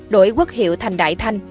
đổi quốc hiệu thành đại thanh